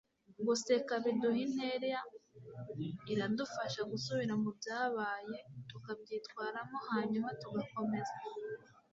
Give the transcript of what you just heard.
guseka biduha intera iradufasha gusubira mu byabaye, tukabyitwaramo hanyuma tugakomeza